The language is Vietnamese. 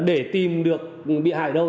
để tìm được bị hại đâu